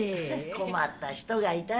困った人がいたら。